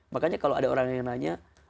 makanya kalau ada orang yang nanya